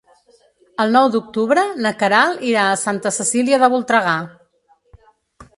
El nou d'octubre na Queralt irà a Santa Cecília de Voltregà.